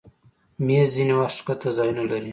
مېز ځینې وخت ښکته ځایونه لري.